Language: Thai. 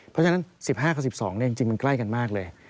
เพราะฉะนั้น๑๕กับ๑๒จริงมันใกล้กันมากเลย